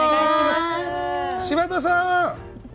柴田さん！